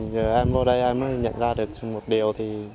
giờ em vô đây em mới nhận ra được một điều thì